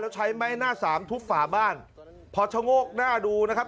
แล้วใช้ไม้หน้าสามทุบฝาบ้านพอชะโงกหน้าดูนะครับ